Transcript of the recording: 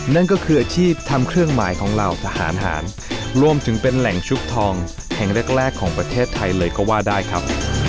นั่นก็คืออาชีพทำเครื่องหมายของเหล่าทหารหารรวมถึงเป็นแหล่งชุบทองแห่งแรกแรกของประเทศไทยเลยก็ว่าได้ครับ